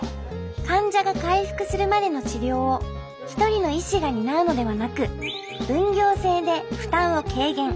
患者が回復するまでの治療を一人の医師が担うのではなく分業制で負担を軽減。